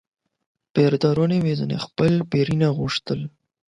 پوردارانو به ترې خپل پورونه غوښتل.